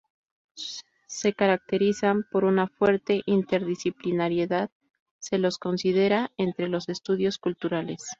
Se caracterizan por una fuerte interdisciplinariedad; se los considera entre los estudios culturales.